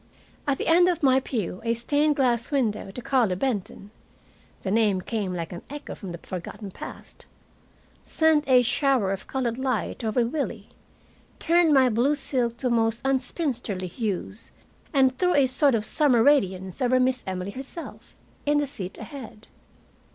At the end of my pew a stained glass window to Carlo Benton the name came like an echo from the forgotten past sent a shower of colored light over Willie, turned my blue silk to most unspinsterly hues, and threw a sort of summer radiance over Miss Emily herself, in the seat ahead.